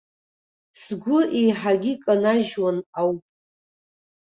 Сгәы еиҳагьы иканажьуан ауп.